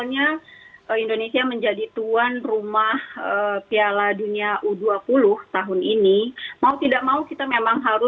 ya terima kasih mbak elvira